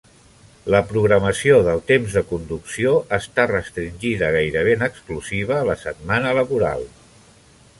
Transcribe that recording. La programació del temps de conducció està restringida gairebé en exclusiva a la setmana laboral.